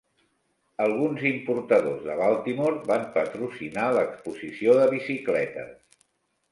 Alguns importadors de Baltimore van patrocinar l'exposició de bicicletes.